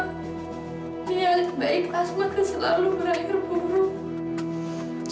niat baik asma selalu berakhir buruk